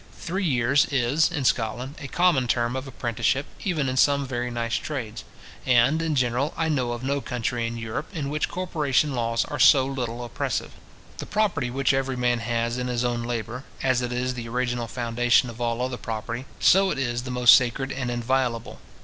Three years is, in Scotland, a common term of apprenticeship, even in some very nice trades; and, in general, I know of no country in Europe, in which corporation laws are so little oppressive. The property which every man has in his own labour, as it is the original foundation of all other property, so it is the most sacred and inviolable.